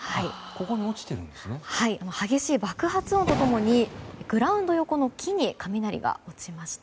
激しい爆発音と共にグラウンド横の木に雷が落ちました。